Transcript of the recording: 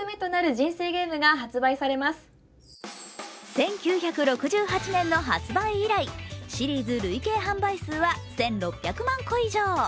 １９６８年の発売以来、シリーズ累計販売数は１６００万個以上。